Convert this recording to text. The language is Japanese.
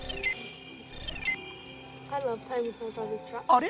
あれ？